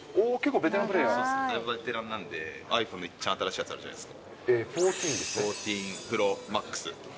ベテランなんでｉＰｈｏｎｅ、めっちゃ新しいやつあるじゃないです。